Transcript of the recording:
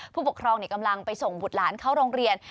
ผู้ปกครองกำลังไปส่งบุตรหลานเข้าโรงเรียน